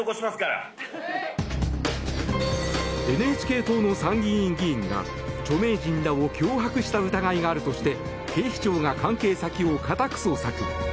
ＮＨＫ党の参議院議員が著名人らを脅迫した疑いがあるとして警視庁が関係先を家宅捜索。